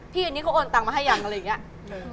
อันนี้เขาโอนตังค์มาให้ยังอะไรอย่างนี้